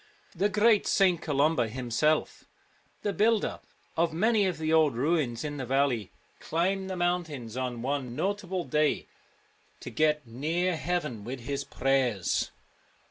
The great St. Columba himself, the builder of many of the old ruins in the valley, climbed the mountains on one notable day to get near heaven with his prayers.